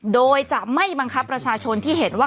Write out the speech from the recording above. โดยจะไม่บังคับประชาชนที่เห็นว่า